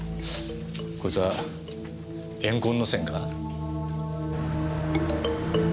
こいつは怨恨の線か？